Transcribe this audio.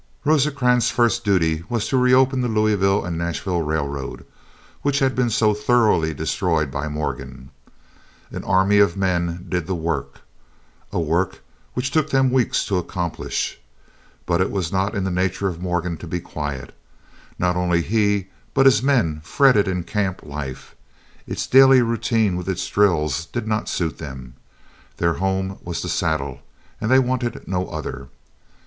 Rosecrans's first duty was to reopen the Louisville and Nashville Railroad, which had been so thoroughly destroyed by Morgan. An army of men did the work—a work which took them weeks to accomplish. But it was not in the nature of Morgan to be quiet. Not only he, but his men, fretted in camp life. Its daily routine with its drills did not suit them. Their home was the saddle, and they wanted no other.